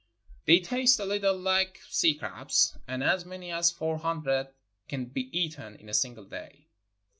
They taste a little Hke sea crabs, and as many as four hundred can be eaten in a single day.